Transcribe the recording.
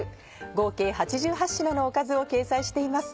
合計８８品のおかずを掲載しています。